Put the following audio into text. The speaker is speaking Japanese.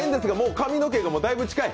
髪の毛でだいぶ近い。